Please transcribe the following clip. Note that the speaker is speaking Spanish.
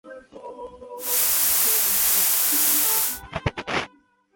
Durante la era revolucionaria, todas las leyes fueron revocadas por los nuevos estados.